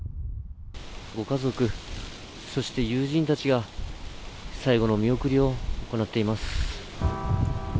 ご家族、そして友人たちが最後の見送りを行っています。